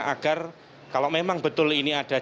agar kalau memang betul ini ada